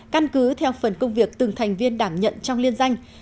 căn cứ theo phần công việc từng thành viên đảm nhận trong liên danh